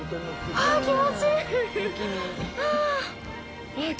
ああ、気持ちいい！